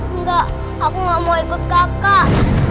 enggak aku gak mau ikut kakak